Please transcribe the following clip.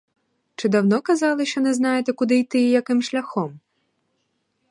Чи давно казали, що не знаєте, куди йти і яким шляхом?